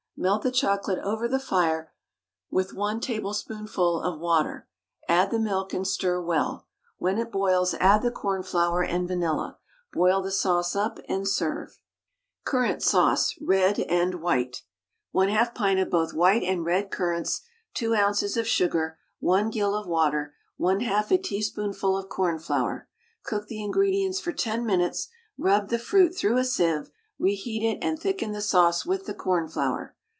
Melt the chocolate over the fire with 1 tablespoonful of water, add the milk, and stir well; when it boils add the cornflour and vanilla. Boil the sauce up, and serve. CURRANT SAUCE (RED & WHITE). 1/2 pint of both white and red currants, 2 ozs. of sugar, 1 gill of water, 1/2 a teaspoonful of cornflour. Cook the ingredients for 10 minutes, rub the fruit through a sieve, re heat it, and thicken the sauce with the cornflour.